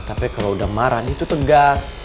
tapi kalo udah marah dia tuh tegas